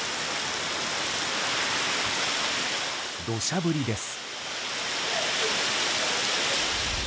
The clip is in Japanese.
土砂降りです。